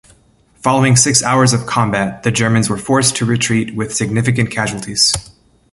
Following six hours of combat, the Germans were forced to retreat with significant casualties.